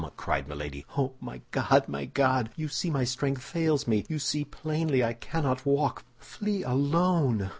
cried Milady. "Oh, my God, my God! you see my strength fails me; you see plainly I cannot walk. Flee alone!"